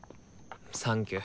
サンキュ。